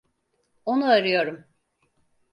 Onu arıyorum.